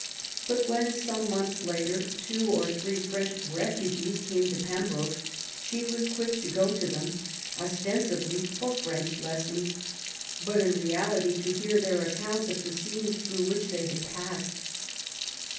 But when, some months later on, two or three French refugees came to Pembroke, she was quick to go to them, ostensibly for French lessons, but in reality to hear their accounts of the scenes through which they had passed.